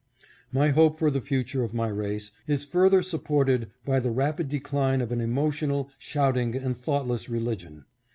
My hope for the future of my race is further supported by the rapid decline of an emotional, shouting, and thoughtless religion.